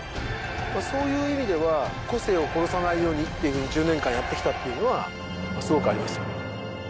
そういう意味では個性を殺さないようにっていうふうに１０年間やってきたっていうのはすごくありました。